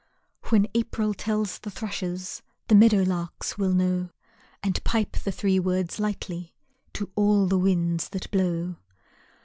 When April tells the thrushes, The meadow larks will know, And pipe the three words lightly To all the winds that blow.